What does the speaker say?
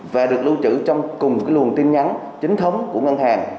và được lưu trữ trong cùng luồng tin nhắn chính thống của ngân hàng